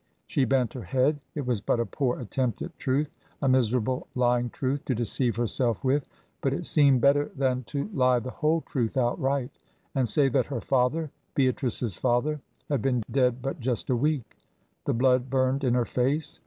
She bent her head. It was but a poor attempt at truth, a miserable lying truth to deceive herself with, but it seemed better than to lie the whole truth outright, and say that her father Beatrice's father had been dead but just a week. The blood burned in her face.